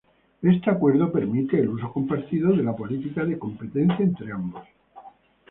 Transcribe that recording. Este acuerdo permite el uso compartido de la política de competencia entre ambos.